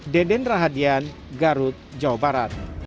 deden rahadian garut jawa barat